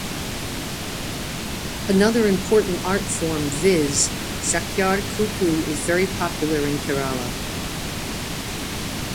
Another important art form viz, Chakyar koothu is very popular in Kerala.